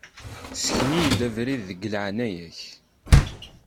Ssken-iyi-d abrid, deg leεnaya-k.